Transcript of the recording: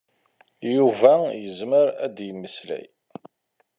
Yuba yezmer ad d-yemmeslay.